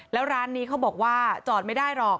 แล้วร้านนี้เขาบอกว่าจอดไม่ได้หรอก